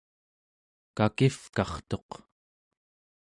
kakivkartuq